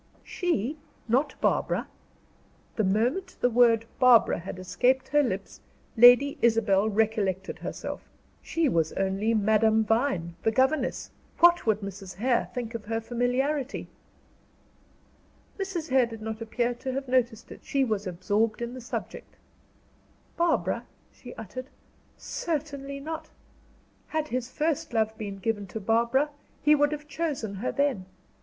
"She? Not Barbara?" The moment the word "Barbara" had escaped her lips, Lady Isabel, recollected herself. She was only Madame Vine, the governess; what would Mrs. Hare think of her familiarity? Mrs. Hare did not appear to have noticed it; she was absorbed in the subject. "Barbara?" she uttered; "certainly not. Had his first love been given to Barbara, he would have chosen her then.